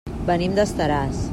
Venim d'Estaràs.